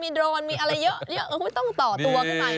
เมื่อวันนี้มีเทคโนโลยีเยอะมากเลย